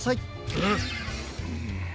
うん。